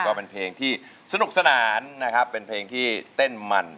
ก็เป็นเพลงที่สนุกสนานนะครับเป็นเพลงที่เต้นมัน